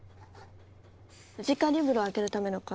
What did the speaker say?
ムジカリブロを開けるための鍵